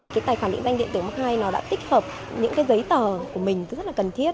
cái tài khoản định danh điện tử mức hai nó đã tích hợp những cái giấy tờ của mình rất là cần thiết